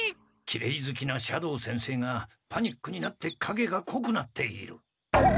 きれいずきな斜堂先生がパニックになってかげがこくなっている。